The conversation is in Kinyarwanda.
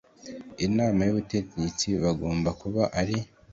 Inama y Ubutegetsi Bagomba kuba ari